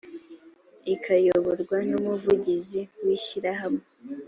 ikayoborwa n umuvugizi w ishyirahamwe